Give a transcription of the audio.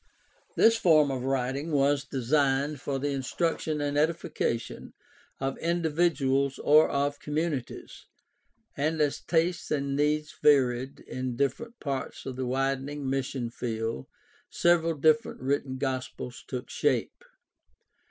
This form of writing was designed for the instruction and edification of individuals or of communi ties, and as tastes and needs varied in different parts of the widening mission field several different written gospels took shape.